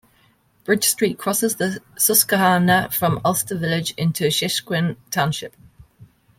Bridge Street crosses the Susquehanna from Ulster village into Sheshequin Township.